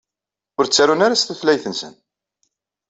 Ur ttarun ara s tutlayt-nsen.